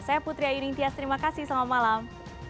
saya putri ayu ningtyas terima kasih selamat malam